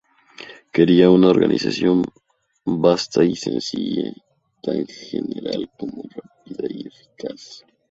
Quería una organización vasta y sencilla, tan general como rápida y eficaz.